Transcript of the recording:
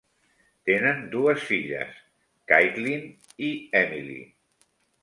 Tenen dues filles, Caitlin i Emilie.